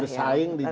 bersaing di dalam